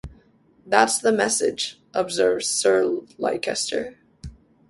"That's the message," observes Sir Leicester.